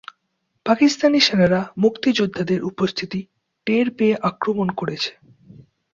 পাকিস্তানি সেনারা মুক্তিযোদ্ধাদের উপস্থিতি টের পেয়ে আক্রমণ করেছে।